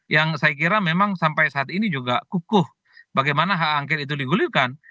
yang saya kira memang sampai saat ini juga kukuh bagaimana hak angket itu digulirkan